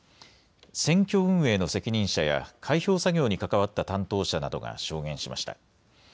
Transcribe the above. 選挙運営の責任者や開票作業に関わった担当者などが証言しました。